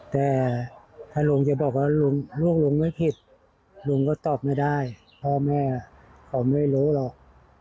แต่ถ้าลุงจะบอกว่าลูกลุงไม่ผิดลุงก็ตอบไม่ได้พ่อแม่เขาไม่รู้หรอก